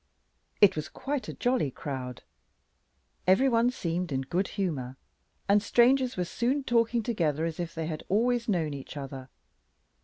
It was quite a jolly crowd. Every one seemed in good humour, and strangers were soon talking together as if they had always known each other.